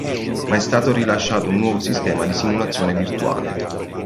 Ma è stato rilasciato un nuovo sistema di simulazione virtuale.